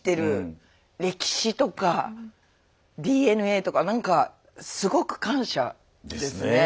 歴史とかＤＮＡとか何かすごく感謝ですね。